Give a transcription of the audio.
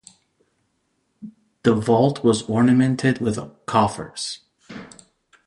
The vault was ornamented with coffers.